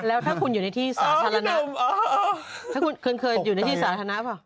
และถ้าคุณอยู่ในที่สาธารณะ